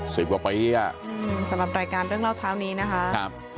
สวยกว่าไปอ่ะครับสำหรับรายการเรื่องเล่าเช้านี้นะคะ